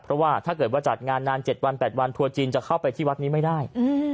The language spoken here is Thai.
เพราะว่าถ้าเกิดว่าจัดงานนาน๗วัน๘วันทัวร์จีนจะเข้าไปที่วัดนี้ไม่ได้